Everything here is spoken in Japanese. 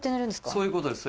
そういうことです。